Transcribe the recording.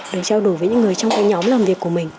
được trao đổi với những người trong nhóm làm việc của mình